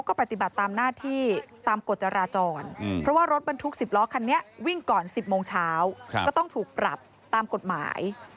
ก็ต้องถูกปรับตามกฎหมาย